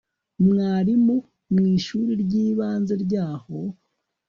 mwarimu mwishuri ryibanze ryaho